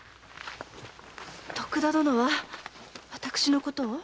⁉徳田殿は私のことを？